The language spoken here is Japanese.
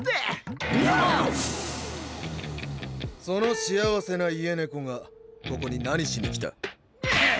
その幸せな家猫がここに何しに来た。